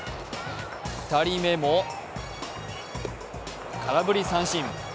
２人目も空振り三振。